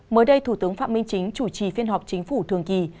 mới đây thủ tướng phạm minh chính chủ trì phiên họp chính phủ thường kỳ